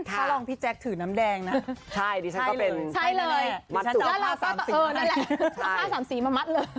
ถ้าลองพี่แจ๊กถือน้ำแดงนะใช่เลยเอา๕๓สีมามัดเลย